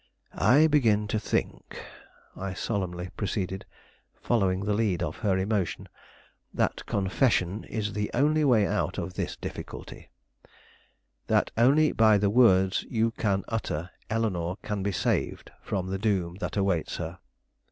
"I begin to think," I solemnly proceeded, following the lead of her emotion, "that confession is the only way out of this difficulty: that only by the words you can utter Eleanore can be saved from the doom that awaits her.